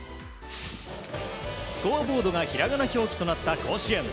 スコアボードがひらがな表記となった甲子園。